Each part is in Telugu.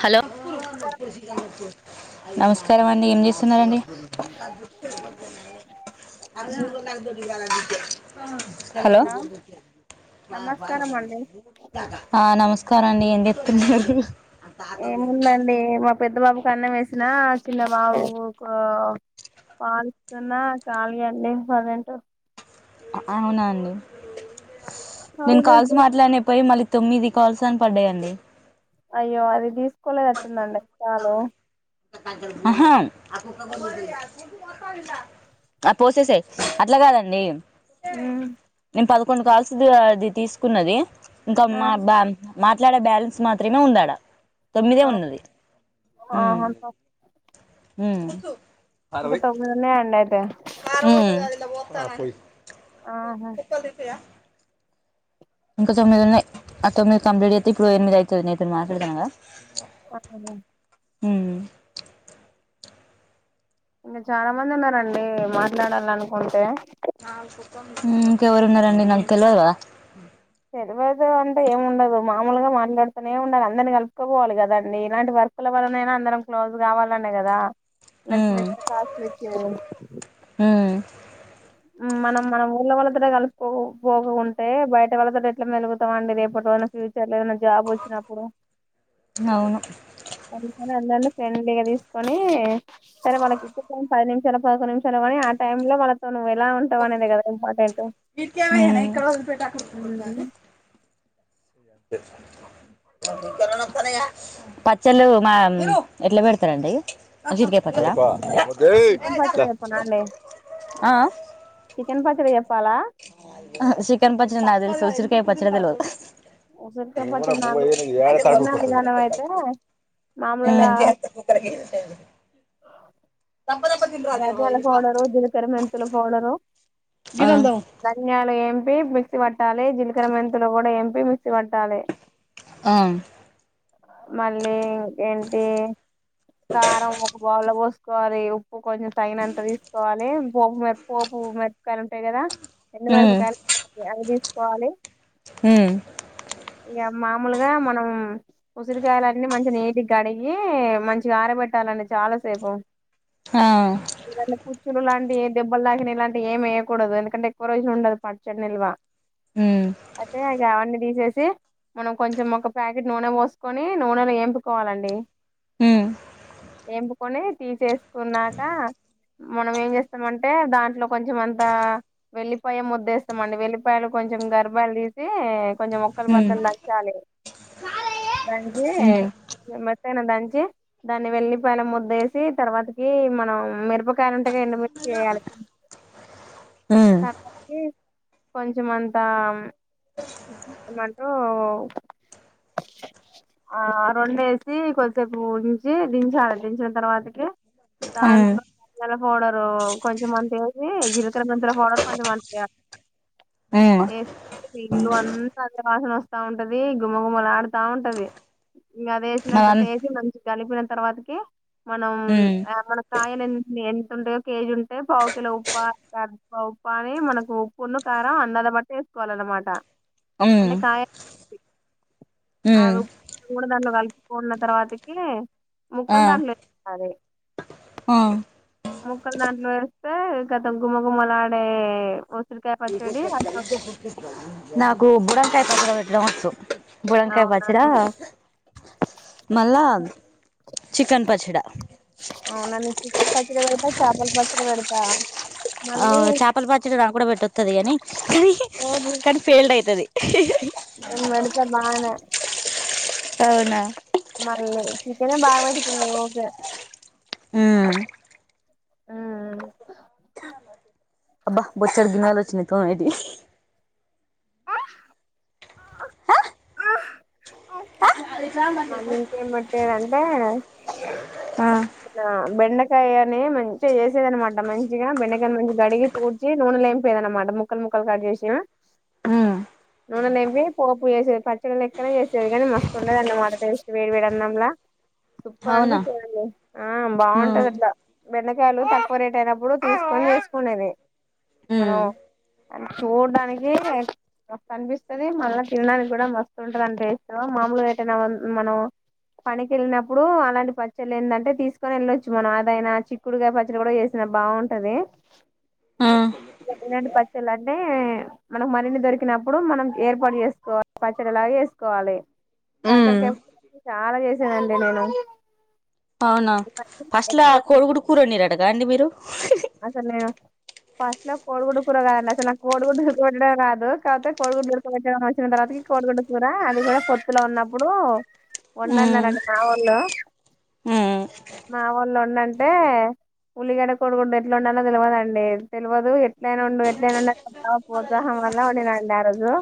హలో నమస్కారం అండి ఏం చేస్తున్నారండి రాు వ న హలో నమస్కారం అండి ఆ నమస్కారం అండి ఏం చేస్తూన్నారు ఏముందండి మా పెద్ద బాబుకి అన్నం వేసినా చిన్న బాబుకు పాలిస్తున్నా ఖాళీ అంటే [unintelligible] అవునా అండి నేను కాల్స్ అవునండి. మాట్లాడిన పోయి మళ్ళీ తొమ్మిది కాల్స్ అని పడ్డాయండి అయ్యో అది తీసుకోలేదట్టుందండి చాలు ఆహుం ఆ పోసేసేయ్ అట్లా కాదండి ఉమ్ నేను పదకొండు కాల్స్ది అది తీసుకున్నది ఇంకా ఆ మాబా మాట్లాడే బ్యాలెన్స్ మాత్రమే ఉందాడా తొమ్మిదే ఉన్నది ఆహ ఉ ఇంకా తొమ్మిది ఉన్నాయ్ అన్నది ఆహా మ్ ఇంకా తొమ్మిది ఉన్నాయ్ ఆ తొమ్మిది కంప్లీట్ అయితే ఇప్పుడు ఎనిమిది అయితది నీతో మాట్లా డుతున్న కదా అట్లనా ఉమ్ చాలా మంది ఉన్నారండి మాట్లాడాలనికుంటే మ్ ఇంకెవరు ఉన్నారండి నాకు తెలువదా తేలువదు అంటే ఏం ఉండదు మామూలుగా మాట్లాడుతూనే ఉండాలి అందరినీ కలుపుకోపోవాలి గదా ఇలాంటి ఒకరి వల్లనయినా అందరం క్లోజ్ కావాలి కదా నచ్చి ఉమ్ నచ్చిన కాసు వచ్చేదం ఉమ్ మనం మనం ఊర్ళ వాళ్లతోట కలుసుకో పోకుంటే బయట వాళ్ళతో ఎట్లా మెలుగుతాం అండి రేపటోల ఫ్యూచర్ లేదన్నా జాబ్ వచ్చినప్పుడు అవును అందుకని ఉండాలి ఫ్రెండ్లీగా తీసుకొని సరే వాళ్ళకి ఇచ్చే పది నిమిషాలు పదకొ నిమిషాలు కానీ ఆ టై లో వాళ్ళతో నువ్వు ఎలా ఉంటావు అనేది గదా ఇంపార్టెంట్ పచ్చళ్ళు మా ఎట్లా పెడత అండి ఉర చింతకాయ పచ్చడా చికెన్ పచ్చడి చెప్పనా అండి ఆ చికెన్ పచ్చడి చే చికెన్ పచ్చడి నాకు తెలుసు ఉసరికాయ పచ్చడి తెలువదు ఉసిరికాయ నేను కూడా పచ్చడి బువ్వా నాకు య్యేను యాడటా ఆడికి తిన్న ఊరుకోస్తది విధానం అయితే నేను మంచిగా ఎస్తా కుక్కలకి దన్యలా పోడరు జి లకర్ర మెంతుల పోడరు ధన్యాలు ఏంపి ఎం మిక్సీ పట్టాలి జీలకర్ర మెంతులు కూడా ఎంపీ మిక్సీ పట్టాలి ఆ మళ్ళీ ఇంకేంటి కారం ఒక బోళ్ల పోసుకోవాలి కొంచెం తగినంత తీసుకోవాలి పోపు మ పోపు మెరపకాయలు ఉంటాయి కదా ఎండు ఉమ్ మిరపకాయలు ఐదు తీసుకోవాలి మ్ ఇగా మామూలుగా మనం ఉసిరికాయలన్నీ మంచి నీటి కడిగి మంచిగా ఆరబేటీ ఉంచాలి అండి చాలా సేపు ఆ ఏ దెబ్బలు దాకినా ఇలాంటి ఏమియకూడదు ఎందుకంటే ఎక్వ రోజులు ఉండదు పచ్చడి నిల్వా ఉమ్ అయితే అవన్నీ తీసేసి మనం కొంచెం ఒక ప్యాకెట్ నూనె పోసుకొని నూనెలో వేంపుకోవాలండి ఉమ్ వేంపుకొని తిస్స్కున్నాక మనం ఏం చేస్తామంటే దాంట్లో కొంచెం అంత వెల్లిపాయ ముద్దేస్తామండి వెల్లిపాయలు కొంచెం కొంచెం గర్భాలు తీసి కొంచెం మొక్కలు ఉమ్ బద్దలు దచ్చాలి దంచి ఉమ్ ఎమ్మత్తయినా దంచి దాన్ని వెల్లిపాయన ముద్దేసి తర్వాత మనం మిరపకాయలుంటేగా ఎండు మీర్చి చేయాలి ఉమ్ తరవాతకీ కొంచెం అంతా ఏమాంట ఆ రెండు వేసి కొద్దిసేపు ఉంచి దించాలి దించిన తర్వాతకి ఉమ్ దాంట్లో దన్యాల పోడరు కొంచెంమంత ఏ జీలకర్ర మెంతలు పోడరు కొంచెంమంత [inaudible] ఉమ్ ఇల్లు అంతా అదే వాసన వస్తా ఉంటది గుమ్మగుమ్మలా ఆడుతా ఉంటది ఇంకాది మా మమ్ వేసినేసి మంచి కలిపిన తర్వాతకి మనం ఉమ్ ఆ మన కాయలు ఎంత ఎంత ఉంటాయో కేజీ ఉంటే పావు కిలో ఉప్పా [unintelligible] ఉప్ప అని మనకు ఉప్పు కారం అన్నాన్ని బట్టి వేసుకోవాలన్నమాట హ్మ్మ్ అవి మూడుదండలు కలుపుకున్న తర్వాతకి ముక్కలు దాంట్లోకి [unintelligible] హ్మ్మ్ ముక్కలు దాంట్లో వేస్తే గతం గుమ్మ గుమ్మలా ఆడే వ నాకు బుడంకాయి పచ్చడి పెట్టడం వచ్చు బుడంకాయ పచ్చడా అవునండి మళ్ళా చికెన్ పచ్చడా అవునా చికెన్ పచ్చడి పెడతా చాపల్ పచ్చడి పెడతా ఆ మళ్ళీ చేపల పచ్చడి నాకు కూడా పెట్టతుది కాని అది ఓహో, కానీ ఫెయిల్డ్ అవుతది నేను పెడతా బానే అవునా మల్లీ చికనే బాగా పెట్టత ఓకే హ్మ్మ్ హ్మ్మ్ అబ్బా బొచ్చడు దిన ఆలోచనతోనే అది హా ఆ మ ఇంకేం పెట్టారంటే ఆ అంటే బెన్నకి కాయని మంచిగా చేసేది అనమాట మంచిగా బెండకాయ మంచి గడిగి తూడ్చ నూనె లేంపోయే అనమాట ముక్కలు ముక్క ముక్కల్ కట్ చేసిన హుమ్ నూనె నింపి పోపు చేసేది పచ్చడి లెక్కనే చేసేది కాని మస్తు ఉండేది అన్నమాట టేస్ట్ వేడి వేడి అన్నం లా సూపర్ అవునా అనిపించడండి ఆ బాగుంటది ఉమ్. అట్లా బెండకాయలు తక్కువ రేట్ అయినప్పుడు తీసుకొని వేసుకునేది మనం ఉమ్. చూడడానికి మస్తు అనిపిస్తుంది మళ్ళా తినడానికి కూడా మస్తు ఉంటంది అనిస్తం మామూలుగా ఏటైనా మనం పనికి వెళ్ళినప్పుడు అలాంటి పచ్చళ్లు ఏంటంటే తీసుకొని వెళ్ళొచ్చు మనం అదైనా చిక్కుడుగాయ పచ్చలు కూడా వేసిన బాగుంటది ఇలాంటి పచ్చలు అంటే మనకు మరిన్ని దొరికి కినప్పుడు మనం ఏర్పాటు చేసుకోవాలి పచ్చడిలాగా వేసుకోవాలి కాకరకాయ చాలా చేసానండి నేను అవునా ఫస్ట్లా ఎక్కువ కోడుగుడ్డు కూర వండిరి రటగా అండి మీరు అయితే నేను ఫస్ట్ లో కోడుగుడ్డ కూర కాదండి అసలు నా కోడి గుడ్డు కూర వండడం రాదు కాపోతే కోడిగుడ్డు లు ఉడుకబట్టడం వచ్చిన తరువాత కోడి గుడ్డు కూర అది కూడా కొత్తులో ఉన్నప్పుడు ఉమ్. ఉండన్ననండి మా వాళ్ళు ఉమ్. మావొళ్లు వండంటే ఉల్లిగడ్డ కోడిగుడ్డు ఎట్లా ఉండాలో తెలియదుండి తెలియదు ఎట్లనా ఉండు ఎట్లయినాండ బా ప్రోత్సాహం వల్ల ఉండినండి ఆ రోజు హ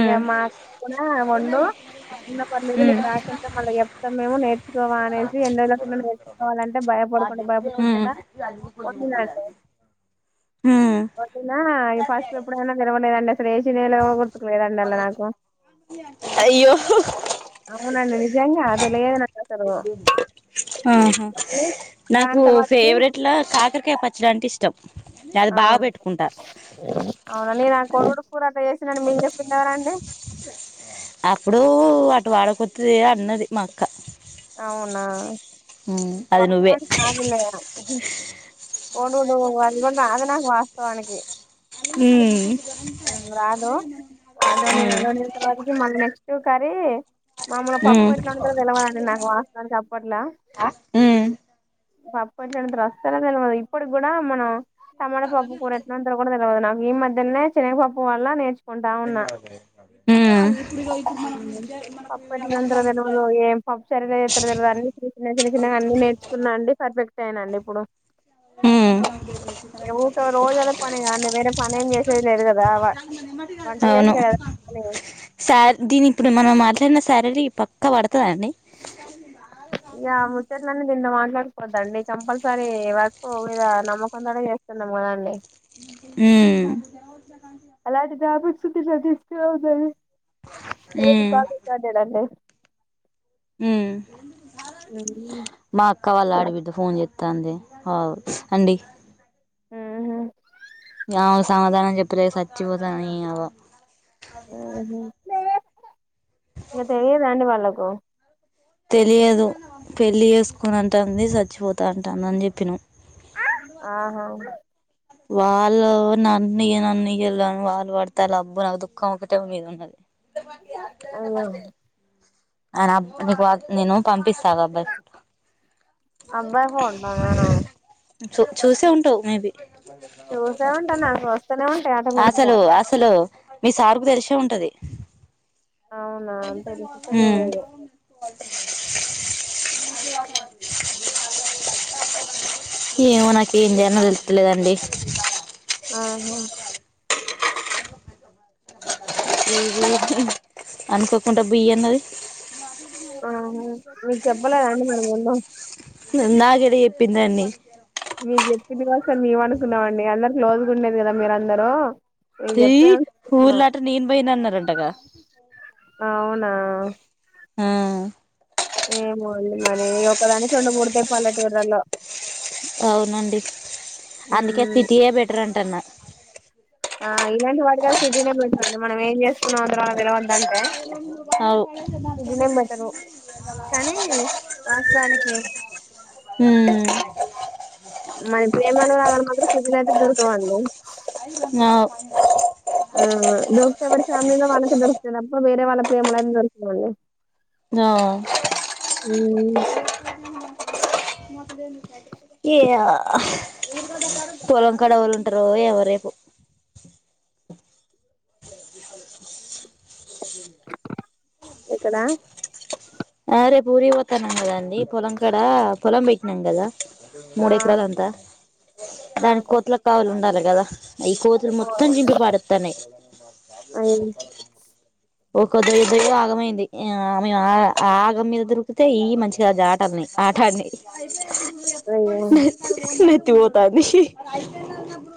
ఇక మా అక్క కూడా వండు ఇన్న పర్లేదు నీకు రాకుంటే మళ్ళీ చెప్తాం మేము నేర్చుకోవ అనేసి ఎండ్రోజుల నేర్చుకోవాలంటే భయపడకుండా భయపడా అకు ముబలండి [inaudible] ఓకేనా ఫస్ట్ ఎప్పుడైనా నిరవలేదండి అసలు ఏసి లు లేవు గుర్తుకులేదండి అలా నాకు అయ్యో అవునండి నిజంగా అది లేదు నాకసలు ఆహా నాకు తర్వాతకి ఫేవరెట్లా కాకరకాయ పచ్చడి అంటే ఇష్టం అది బాగా అవును పెట్టుకుంటా అవునా నేనా అ కోర్స్ కుడా చేసి మరి మీరేం తిన్నారండి అప్పుడు అటు వాడకతేది అన్నది మా అక్క అవునా అది నువ్వే వర్షం కాదులే కోడుడు అది కూడా రాద నాకు వాస్తవానికి ఉమ్ రాదు అదో నే ఉమ్ నల తర్వాతకి మళ్ళీ నె నువ్ కర్రీ మమ్మల్ని పప్పు ఉమ్ ఎట్లా ఉంటో తెలవాలండి నాకు వాస్తవం చప్పట్లా పప్పు ఎట్ల ఎంతరు వస్తారా తెలియదు ఇప్పటికి కూడా మనం టమాటో పప్పు కూర ఎట్లాంత కూడా తెలియదు నాకు ఈ మధ్యనే చినగపప్పు వల్ల నేర్చుకుంటా ఉన్నా ఉమ్. హ్మ్మ్ సరిగా ఎ తరురదు అన్నిన్న చిన్న చిన్న చిన్నగా అన్నన్ని నేర్చుకున్నా అండి పర్ఫెక్ట్ అయిన అండి ఇప్పుడు ఉమ్ [inaudible] ఎ ఊకా రోజదా పనిగా అంట వేర పనం చేసేదిలేదు కదావా అవును శార దీని ఇప్పుడు మనం మాట్లాడిన శారరీ పక్క పడతు అండి ఇక ముచ్చట్ అన్నీ దింట్లో మాట్లాడు కోవద్దు అండి కంపల్సరి వర్క్ మీద నమ్మకం తోనే చేస్తున్నం కాదండి హ్మ్మ్ ఏంటి జాబ్ వచుంటే [unintelligible] హ్మ్మ్ అదేనండి ఉమ్ హ్మ్మ్ మా అక్క వాళ్ళ ఆడబిడ్డ ఫోన్ చేస్తా అంది అండి ఉహు ఆమెకు సమాధానం చెప్పతే చచ్చిపోతా నిఅవ ఆహ ఇకా తెలిదా అండి వాళ్ళకు తెలియదు పెళ్లి చేసుకొను అంటంది చచ్చిపోతా అంటాందని చెప్పి నువ్ ఆహా వాళ్ళు నన్ను నన్నకిళ్ళని వాళ్ళు పడతారు అబ్బు నాకు దుఃఖం ఒకటే మీద ఉన్నది అయ్యో అ నీకు నేను పంపిస్తా అబ్బాయి ఫోన్ లోనేనా చూ చూసే ఉంటావు మేబి చూసే ఉంటానా చూస్తూనే ఉంటాను అసలు అసలు మీ సార్కు తెలిసే ఉంటది అవునా అంతలి సతగద లేదు [unintelligible] ఏమో నాకు ఏం చేయాలో తెలుతాలేదండి ఆహా అనుకోకుండా బియ్యన్నది ఆహ మీకు చెప్పలేదండి మేము ముందు ఇందాకే చెప్పిందండి మీకు చెప్పినందివాసం మేం అనుకున్నాం అండి అందరు క్లోజ్గా ఉండేది కదా మీర అందరూ అయి ఊర్లాట నేను పోయినా అన్నారంటగా అవునా ఆ ఏమో మరి ఒకదానికి రెండు మూడు తె పల్లెటూర్లలో అవునండి అందుకే మ్మ్ సిటీయే బెటర్ అంటుఅన్న ఆ ఇలాంటి వాటి కలిసి సిటీనే బెస్ట్ మనం ఏం చేస్తున్నాం అ తర్వా తెలవదంటే అవు ఇంటి నేమ్ బెట్టను కానీ వాస్తవానికి హ్మ్ మరి ప్రేమానురాగాలు మాత్రం సిటీలయితే దొరుకవండి ఆ వ్ ఆ దొరికితే ఎవరి ఫ్యామిలీలో వాళ్ళకే దొర్కుతాయి తప్పా వేరే వాళ్ళ ప్రేమలయితే దొరుకవండి ఆహ్ హు యే పొలం కాడా ఏవ్వళ్ళు ఉంటరో ఏమో రేపు ఎక్కడ ఆ రేపు ఊరిపో పొత్తన్నం కదండి పొలం కాడా పొలం పెట్టినాం కదా ఆ! మూడెకరాల అంతా దానికి ఆహా! కోతుల కావలుండలే గదా ఈ కోతులు మొత్తం ఓహ్! జింపి పడేతన్నాయి అయ్యో! [unintelligible] ఆగమైంది ఈ యా మీ ఆయ ఆగం మీద దునికితే ఇయ్యి మంచిగా ఆట ఆడినయి ఆట ఆడినాయి అయ్యో! నత్ నత్తి పోతాంది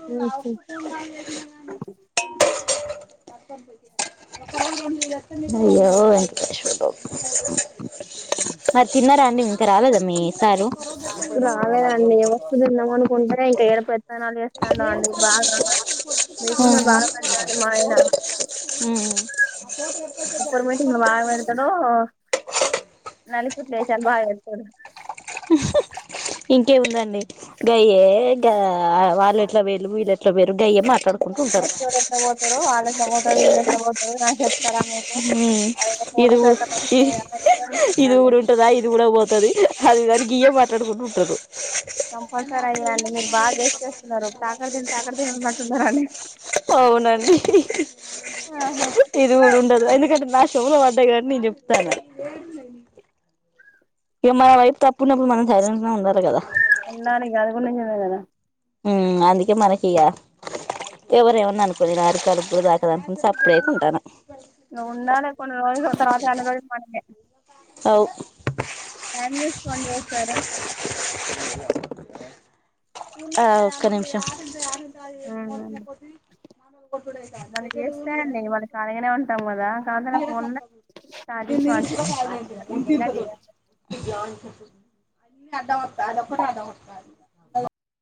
హుహు. [unintelligible] అయ్యో వెంకటేశ్వర్లు అఓ మరి తిన్నారా అండి ఇంకా రాలేదా మీ సారు రాలేదండి. వస్తు తిందామనుకుంటే ఇంక ఏడ పెత్తనాలు చేస్తాండో అండి బాగా. మీటింగ్‌లు హ్మ్ బాగా పెడతాడండి మా ఆయన. హు ఉప్పర్ మీటింగులు మాగ పెడతడు నల్లికుట్ల ఏషాలు బాగా ఎత్తడు ఇంకేముందండి గయ్యే గా వాల్లేట్లా వోయిళ్ళు వెళ్లేట్లా వోయిల్లు గయ్యే మాట్లాడుక్ నెక్స్ట్ ఏవలెట్ల వోతరు వాళ్లుఎట్లా వొతరు వెళ్ళేట్ల వోతరు నాక్ చెప్తారా విళ్ళు ఉమ్ ఇది కూడ్ ఇది ఇది సెట్లండి. కుడ ఉంటందా ఇది కూడా పోతది అదిదాని గియ్యు మనకుంటాకూసుంటాడు కంపల్సరీ అయిన అండి మీరు బాగా గెస్ చేస్తున్నారు తాకర్ తిన్ తాకడ తిన్ ఉన్నట్టున్నడనీ అవునండి ఇది కూడా ఉండదు ఎందుకంటే నాష్ చోవులవడ్డదని నేన్ చెప్తన్నా ఇగ మన వైపు తప్పున్నప్పుడు మనం సైలెంట్ గనే ఉండాలి కదా ఉన్నానీ గదిగునించలేగదా ఉ అందుకే మనకిగా ఎవరేమన్నా అనుకోని రాని కలుపులు రాకదప్పాదు అని సప్పుడేక ఉకుంటాన్నా ఉండాలే కొన్ని రోజులు తరువాత అన్ని రోజులు మనకే అవు టైం చూసుకోండి ఒకసారి ఆ ఒక్క నిమిషం కాదిది మనం చేస్తాయండి మనం ఖాళీగానే ఉంటాం కదా కాకపోతే నా ఫోన్లో ఛార్జింగ్ [unintelligible] [unintelligible] [unintelligible] ఇంతింత క్వాంటిటీ దొడ్డు [unintelligible]